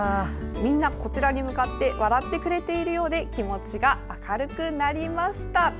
みんなこちらに向かって笑ってくれているようで気持ちが明るくなりました。